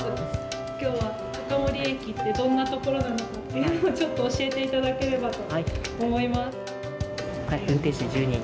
今日は高森駅ってどんな所なのかっていうのをちょっと教えていただければと思います。